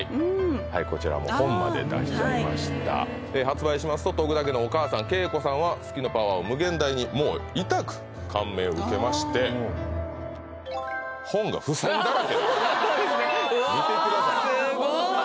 はいこちらもう本まで出しちゃいました発売しますと徳田家のお母さん・けいこさんは「好きのパワーは無限大」にもういたく感銘を受けまして見てくださいすごい！